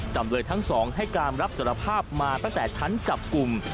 จำเลยทั้งสองให้การรับสารภาพมาตั้งแต่ชั้นจับกลุ่ม